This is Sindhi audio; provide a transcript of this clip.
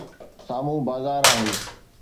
سامهون بازار آهي.